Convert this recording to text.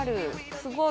すごい。